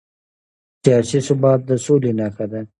سیاسي ثبات د سولې نښه ده